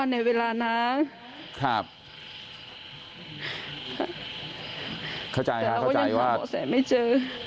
แต่เราก็ยังห่วงเสร็จไม่เจอ